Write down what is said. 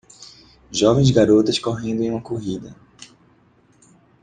Jovens garotas correndo em uma corrida.